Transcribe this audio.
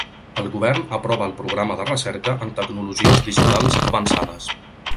El Govern aprova el programa de recerca en tecnologies digitals avançades.